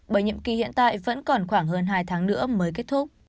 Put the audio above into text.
bởi nhiệm kỳ hiện tại vẫn còn khoảng hơn hai tháng nữa mới kết thúc